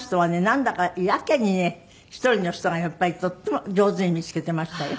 なんだかやけにね１人の人がやっぱりとっても上手に見つけていましたよ。